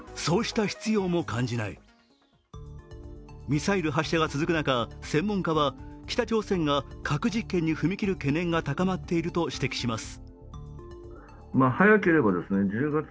ミサイル発射が続く中、専門家は北朝鮮が核実験に踏み切る懸念が高まっていると指摘します。